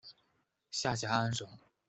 下辖安省。